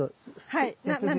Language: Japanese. はい。